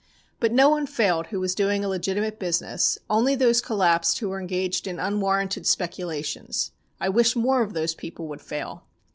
But no one failed who was doing a legitimate business, only those collapsed who were engaged in unwarranted speculations. I wish more of those people would fail.'